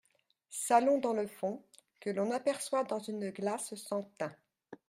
Salon dans le fond, que l’on aperçoit dans une glace sans tain.